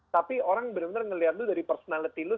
tapi orang bener bener ngeliat lu dari personality lu